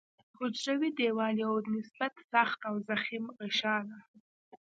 حجروي دیوال یو نسبت سخت او ضخیم غشا ده.